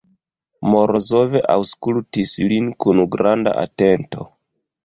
Morozov aŭskultis lin kun granda atento.